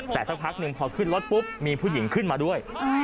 แต่สักพักหนึ่งพอขึ้นรถปุ๊บมีผู้หญิงขึ้นมาด้วย